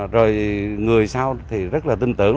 rồi người sau thì rất là tin tưởng